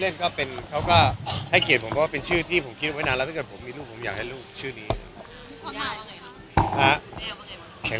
เหรอว่าจะเป็นหลนนี้ดีก็ลองเอาชื่อมาผสม